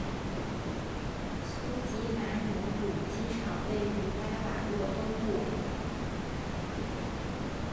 苏吉马努鲁机场位于拉瓦若东部。